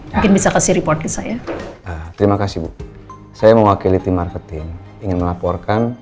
mungkin bisa kasih report ke saya terima kasih bu saya mewakili tim marketing ingin melaporkan